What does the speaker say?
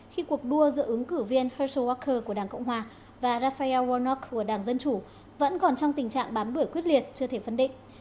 khi cuộc đua giữa ứng cử viên herschel walker của đảng cộng hòa và raphael warnock của đảng dân chủ vẫn còn trong tình trạng bám đuổi quyết liệt chưa thể phân định